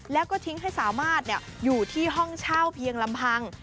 แล้วก็ทิ้งให้สามารถอยู่ที่ห้องเช่าเพียงลำพัง